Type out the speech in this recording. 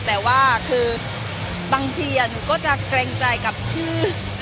แต่ว่าคือบางทีหนูก็จะเกรงใจกับชื่อ